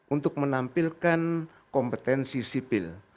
untuk menampilkan kompetensi sipil